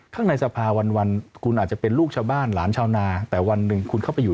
ข้างในสภาวันวันคุณอาจจะเป็นลูกชาวบ้านหลานชาวนาแต่วันหนึ่งคุณเข้าไปอยู่